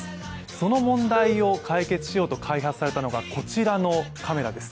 その問題を解決しようと開発されたのが、こちらのカメラです。